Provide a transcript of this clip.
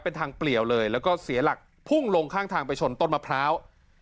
เป็นทางเปลี่ยวเลยแล้วก็เสียหลักพุ่งลงข้างทางไปชนต้นมะพร้าว